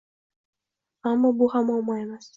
Ammo bu ham muammo emas.